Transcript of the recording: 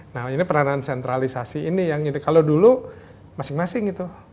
nah ini peranan sentralisasi ini yang kalau dulu masing masing gitu